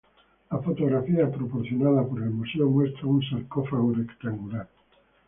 La fotografía proporcionada por el museo muestra un sarcófago rectangular.